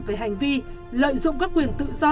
về hành vi lợi dụng các quyền tự do